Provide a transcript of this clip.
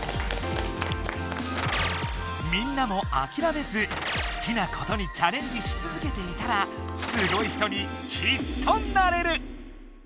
みんなもあきらめずすきなことにチャレンジしつづけていたらすごい人にきっとなれる！